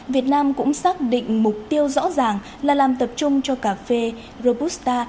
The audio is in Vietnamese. việt nam cũng xác định mục tiêu rõ ràng là làm tập trung cho cà phê robusta